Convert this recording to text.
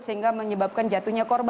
sehingga menyebabkan jatuhnya korban